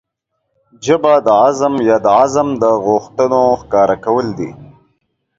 ژبه د عزم يا د عزم د غوښتنو ښکاره کول دي.